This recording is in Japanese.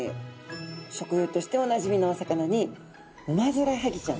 食用としておなじみのお魚にウマヅラハギちゃん。